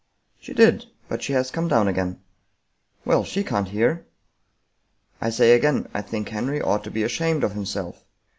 " She did, but she has come down again." " Well, she can't hear. " I say again I think Henry ought to be ashamed of him self.